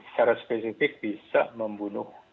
secara spesifik bisa membunuh